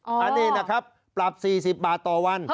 อันนี้นะครับปรับ๔๐บาทต่อวัน